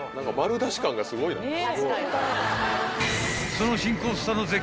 ［その］